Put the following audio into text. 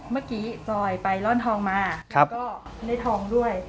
เมื่อกี้จอยไปร่อนทองมาก็ได้ทองด้วย